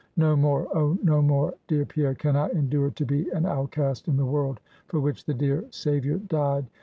No more, oh no more, dear Pierre, can I endure to be an outcast in the world, for which the dear Savior died.